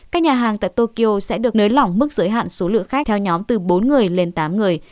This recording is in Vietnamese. các nhà hàng tại tokyo sẽ được nới lỏng mức giới hạn số lượng khách theo nhóm từ bốn người lên tám người